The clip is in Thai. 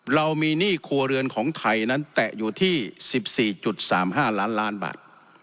เรามีหนี้ครัวเรือนของไทยนั้นแตะอยู่ที่สิบสี่จุดสามห้าล้านล้านบาท